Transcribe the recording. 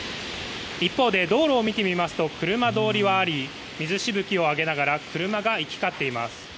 一方で道路を見てみますと車通りはあり水しぶきを上げながら車が行き交っています。